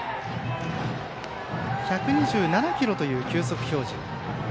１２７キロという球速表示。